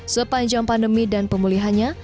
sepanjang pandemi dan pemulihannya